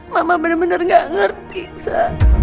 mama bener bener gak ngerti saya